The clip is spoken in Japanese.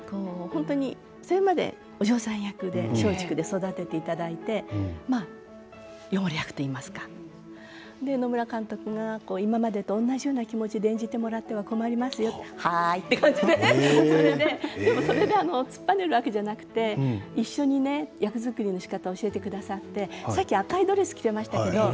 それまでお嬢さん役で松竹で育てていただいてようやくといいますか野村監督が今までと同じような気持ちで演じていてもらっては困りますよという感じではーい、みたいなそれで突っぱねるわけではなくて一緒に役作りのしかたを教えてくださって、赤いドレスを着ていましたけれども。